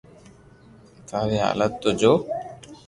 ٿاري ھالت تو جو